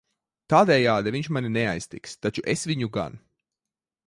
Tādejādi viņš mani neaiztiks, taču es viņu gan.